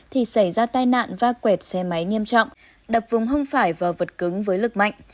thì xảy ra tai nạn và quẹp xe máy nghiêm trọng đập vùng hông phải và vật cứng với lực mạnh